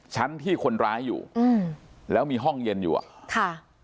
ชั้นที่คนร้ายอยู่อืมแล้วมีห้องเย็นอยู่อ่ะค่ะ